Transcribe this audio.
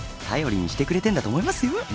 頼りにしてくれてんだと思いますよ。